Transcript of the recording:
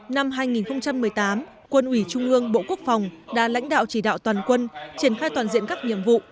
năm hai nghìn một mươi tám quân ủy trung ương bộ quốc phòng đã lãnh đạo chỉ đạo toàn quân triển khai toàn diện các nhiệm vụ